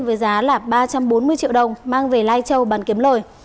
với giá là ba trăm bốn mươi triệu đồng mang về lai châu bán kiếm lời